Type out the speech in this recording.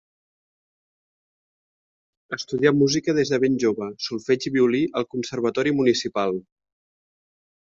Estudià música des de ben jove solfeig i violí al conservatori municipal.